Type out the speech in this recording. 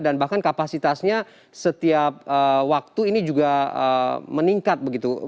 dan bahkan kapasitasnya setiap waktu ini juga meningkat begitu